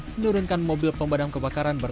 menurunkan mobil pemadam kebakaran